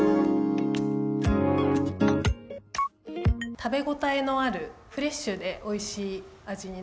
食べごたえのあるフレッシュでおいしい味になります。